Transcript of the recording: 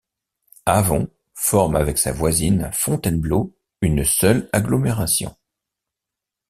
Avon forme avec sa voisine Fontainebleau une seule agglomération.